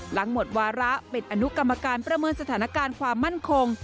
หลังหมดวาระปิดอนุกรรมการประเมินสถานการณ์ความมั่นคง